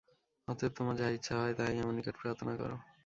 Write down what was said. অতএব তোমার যাহা ইচ্ছা হয়, তাহাই আমার নিকট প্রার্থনা কর।